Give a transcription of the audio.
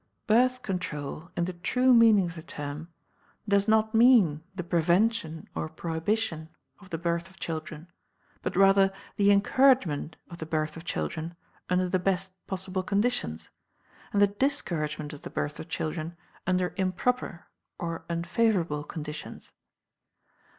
Birth Control, in the true meaning of the term, does not mean the prevention or prohibition of the birth of children, but rather the encouragement of the birth of children under the best possible conditions and the discouragement of the birth of children under improper or unfavorable conditions.